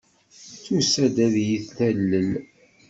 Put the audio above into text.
Tusa-d ad iyi-talel.